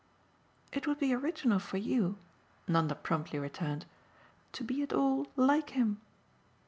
"It would be original for you," Nanda promptly returned, "to be at all like him.